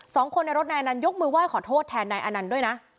สองคนในรถนายอันนั้นยกมือไหว้ขอโทษแทนนายอันนั้นด้วยนะ